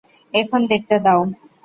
এখন দেখতে দাও।